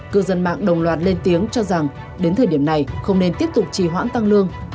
cư dân mạng đồng loạt lên tiếng cho rằng đến thời điểm này không nên tiếp tục trì hoãn tăng lương